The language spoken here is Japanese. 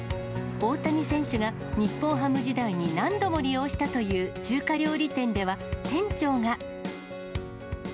大谷選手が日本ハム時代に何度も利用したという中華料理店では、店長が。